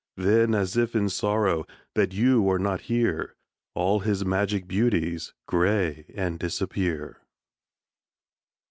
Then, as if in sorrow That you are not here, All his magic beauties Gray and disappear.